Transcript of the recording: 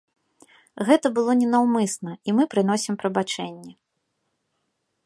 Гэта было ненаўмысна, і мы прыносім прабачэнні.